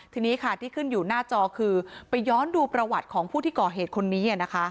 ทีนี้ค่ะที่ขึ้นอยู่หน้าจอคือไปย้อนดูประวัติของผู้ที่ก่อเหตุคนนี้